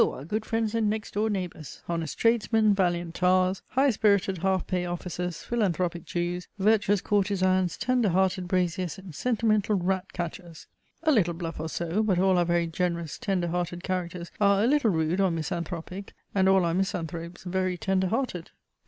our good friends and next door neighbours honest tradesmen, valiant tars, high spirited half pay officers, philanthropic Jews, virtuous courtezans, tender hearted braziers, and sentimental rat catchers! (a little bluff or so, but all our very generous, tender hearted characters are a little rude or misanthropic, and all our misanthropes very tender hearted.)